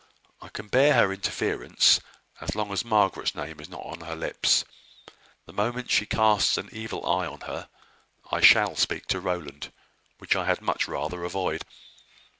I can bear her interference, as long as Margaret's name is not on her lips. The moment she casts an evil eye on her, I shall speak to Rowland; which I had much rather avoid.